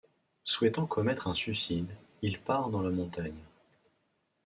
Souhaitant commettre un suicide, il part dans la montagne...